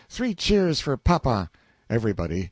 Three cheers for papa! EVERYBODY.